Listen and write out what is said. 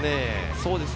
そうですね。